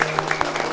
oh siapa ini